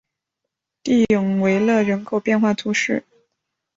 蒂永维勒人口变化图示